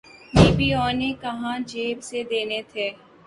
D P O نے کہاں جیب سے دینے تھے۔